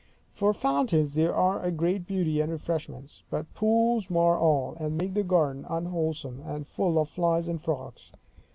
For fountains, they are a great beauty and refreshment; but pools mar all, and make the garden unwholesome, and full of flies and frogs.